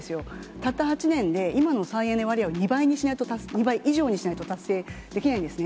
たった８年で、今の再エネ割合を２倍以上にしないと達成できないんですね。